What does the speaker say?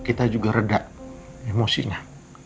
kita juga reda emosinya